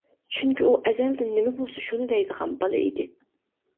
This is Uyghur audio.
چۈنكى ئۇ ئەزەلدىن نېمە بولسا شۇنى دەيدىغان بالا ئىدى.